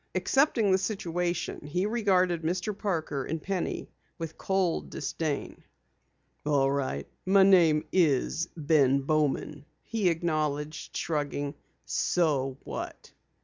Accepting the situation, he regarded Mr. Parker and Penny with cold disdain. "All right, my name is Ben Bowman," he acknowledged, shrugging. "So what?"